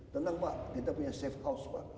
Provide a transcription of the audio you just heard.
tenang pak kita punya safe house pak